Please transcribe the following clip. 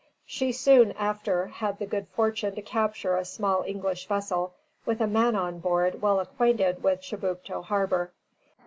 She soon after had the good fortune to capture a small English vessel with a man on board well acquainted with Chibucto harbor.